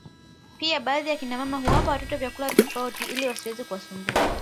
pia baadhi ya kina mama huwapa watoto vyakula tofauti ili wasiweze kusumbua